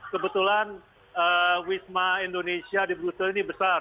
kebetulan wisma indonesia di brussel ini besar